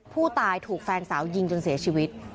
ผู้ตายถูกแฟนสาวยิงจนเสียชีวิต